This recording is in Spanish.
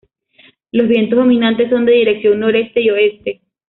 Los vientos dominantes son de dirección noreste y oeste.